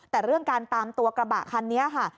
แต่เรื่องการตามตัวกระบะคันนี้ค่ะ